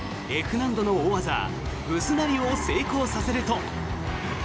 難度の大技ブスナリを成功させると。